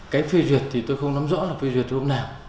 cái phê duyệt thì tôi không nắm rõ là phê duyệt lúc nào